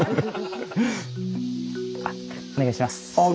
あっお願いします。